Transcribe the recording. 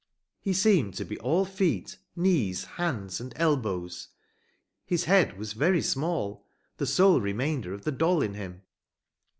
He seemed to be all feet, knees, hands and elbows. His head was very small the sole remainder of the doll in him.